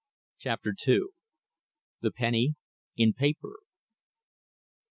CHAPTER TWO. THE PENNY IN PAPER.